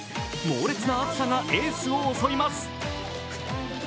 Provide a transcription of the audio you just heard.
猛烈な暑さがエースを襲います。